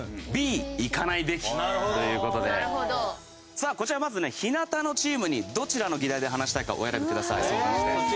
さあこちらまずね日向のチームにどちらの議題で話したいかお選びください相談して。